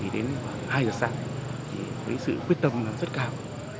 đến hai giờ sáng với sự quyết tâm rất cao